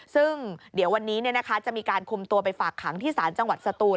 ซึ่งเดี๋ยววันนี้จะมีการคุมตัวไปฝากขังที่ศาลจังหวัดสตูน